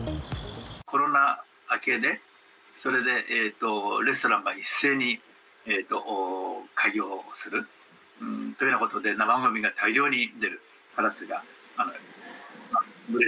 コロナ明けで、それでレストランが一斉に開業するというようなことで生ごみが大量に出る。